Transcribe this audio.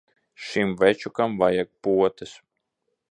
Šim večukam vajag potes.